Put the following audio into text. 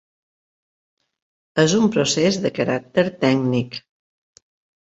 És un procés de caràcter tècnic.